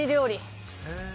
へえ。